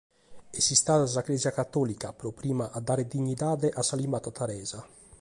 Est istada sa Crèsia Catòlica pro prima a dare dignidade a sa limba tataresa.